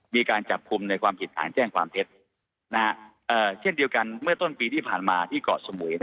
มีการจับกลุ่มในความผิดฐานแจ้งความเท็จเช่นเดียวกันเมื่อต้นปีที่ผ่านมาที่เกาะสมุย